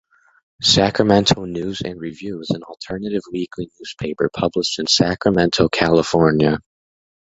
Sacramento News and Review is an alternative weekly newspaper published in Sacramento, California.